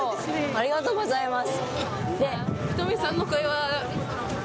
ありがとうございます。